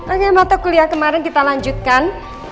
oke moto kuliah kemarin kita lanjutkan